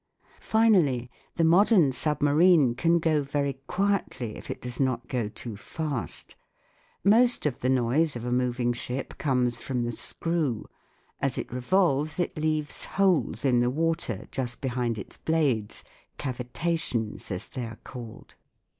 Finally, the modern submarine can go very quietly if it does not go too fast. Most of the noise of a moving ship comes from the screw. As it revolves it leaves holes in the water, just behind its blades cavitations, as they are called.